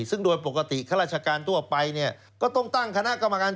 ซึ่งโดยปกติข้าราชการทั่วไปเนี่ยก็ต้องตั้งคณะกรรมการ